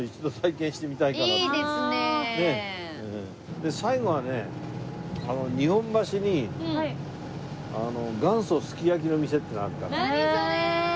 で最後はね日本橋に元祖すき焼きの店っていうのがあるから。